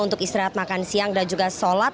untuk istirahat makan siang dan juga sholat